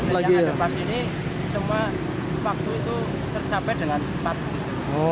dengan underpass ini semua waktu itu tercapai dengan cepat